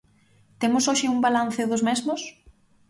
¿Temos hoxe un balance dos mesmos?